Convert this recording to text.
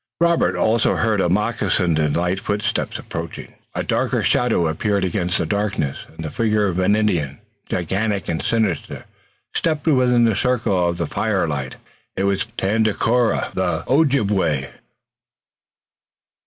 Now Robert also heard a moccasined and light footstep approaching. A darker shadow appeared against the darkness, and the figure of an Indian, gigantic and sinister, stepped within the circle of the firelight. It was Tandakora, the Ojibway.